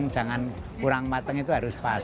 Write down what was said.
jangan kurang matang itu harus pas